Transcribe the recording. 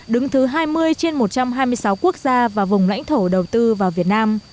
đứng thứ hai mươi trên một trăm hai mươi sáu quốc gia và vùng lãnh thổ đầu tư vào việt nam